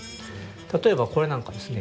例えばこれなんかですね